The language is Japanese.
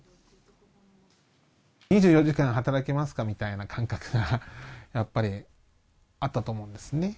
２４時間働けますかみたいな感覚がやっぱり、あったと思うんですね。